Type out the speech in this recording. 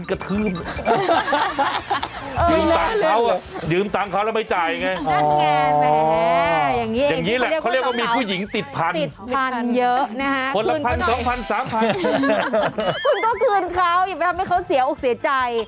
คุณต้องทืนออกอย่าไปทำให้เค้าเสียอุตเสธใจ